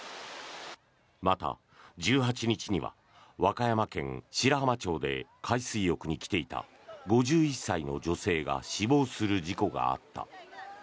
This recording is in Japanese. また、１８日には和歌山県白浜町で海水浴に来ていた５１歳の女性が死亡する事故があった。